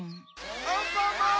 アンパンマン！